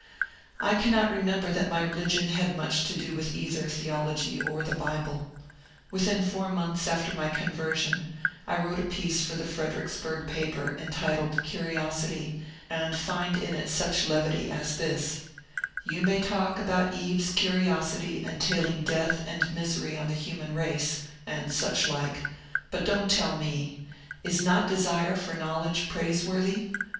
I cannot remember that my religion had much to do with either theology or the Bible. Within four months after my *• conversion " I wrote a piece for the Fredericksburg paper entitled " Curiosity," and find in it such levity as this :" You may talk about Eve's curiosity entailing death and misery on the human race — and such like — but don't tell me ;— is not desire for knowledge praiseworthy?